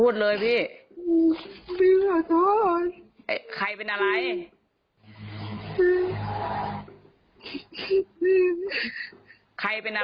สวัสดีค่ะ